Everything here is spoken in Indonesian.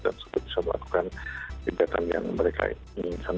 dan sudah bisa melakukan bidatan yang mereka inginkan